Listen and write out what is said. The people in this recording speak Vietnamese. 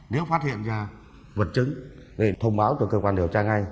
nếu phát hiện ra vật chứng nên thông báo cho cơ quan điều tra ngay